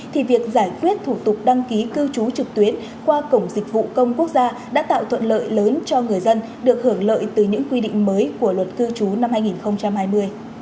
thì việc giải quyết thủ tục đăng ký cư trú trực tuyến qua cổng dịch vụ công quốc gia đã tạo thuận lợi lớn cho người dân được hưởng lợi từ những quy định mới của luật cư trú năm hai nghìn hai mươi